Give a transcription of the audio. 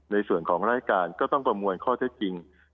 ในส่วนของรายการก็ต้องประมวลข้อเท็จจริง